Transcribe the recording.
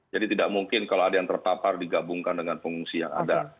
jadi tidak mungkin kalau ada yang terpapar digabungkan dengan pengungsi yang ada